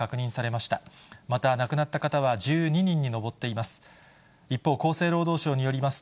また、亡くなった方は１２人に上っています。